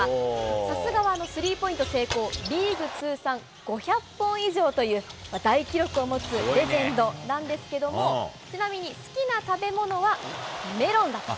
さすがはスリーポイント成功、リーグ通算５００本以上という、大記録を持つレジェンドなんですけれども、ちなみに、好きな食べ物はメロンだと。